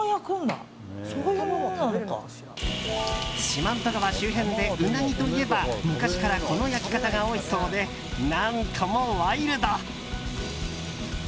四万十川周辺でウナギといえば昔から、この焼き方が多いそうで何ともワイルド！